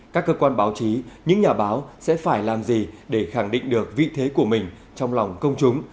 các cơ quan báo chí những nhà báo sẽ phải làm gì để khẳng định được vị thế của mình trong lòng công chúng